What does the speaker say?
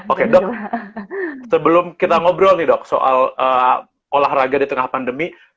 oke dok sebelum kita ngobrol nih dok soal olahraga di tengah pandemi